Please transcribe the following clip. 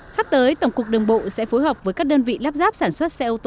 sắp tới tổng cục đường bộ sẽ phối hợp với các đơn vị lắp ráp sản xuất xe ô tô